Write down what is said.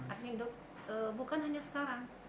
adnik dokumen bukan hanya sekarang